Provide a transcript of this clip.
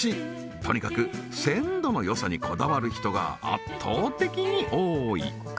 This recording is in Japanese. とにかく鮮度の良さにこだわる人が圧倒的に多い